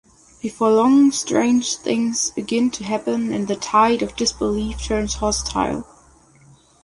Before long, strange things begin to happen, and the tide of disbelief turns hostile.